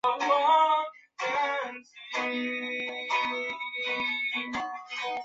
这使他成为最有名的共享软件发明者之一。